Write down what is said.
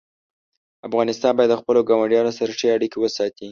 افغانستان باید د خپلو ګاونډیانو سره ښې اړیکې وساتي.